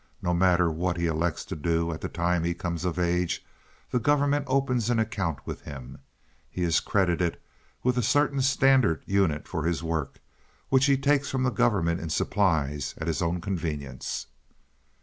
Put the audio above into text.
No matter what he elects to do at the time he comes of age the government opens an account with him. He is credited with a certain standard unit for his work, which he takes from the government in supplies at his own convenience."